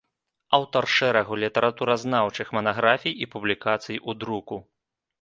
Аўтар шэрагу літаратуразнаўчых манаграфій і публікацый у друку.